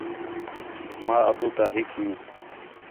ماں، ابو تا ہِک ہینسن